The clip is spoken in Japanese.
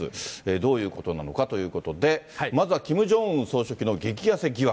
どういうことなのかということで、まずはキム・ジョンウン総書記の激痩せ疑惑。